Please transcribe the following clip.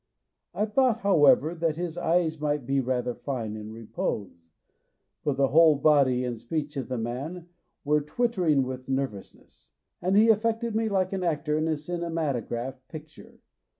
I thought, however, that his eyes might be rather fine in repose, but the whole body and speech of the man were twittering with nervousness, and he affected me like an actor in a cinematograph picture.